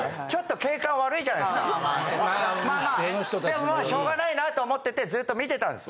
でもまあしょうがないなと思っててずっと見てたんです。